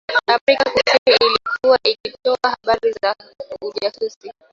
Afrika kusini ilikuwa ikitoa habari za ujasusi